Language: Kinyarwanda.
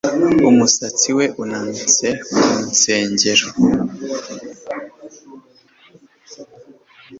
Umusatsi we unanutse ku nsengero